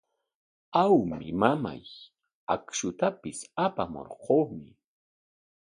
Awmi, mamay, akshutapis apamurquumi.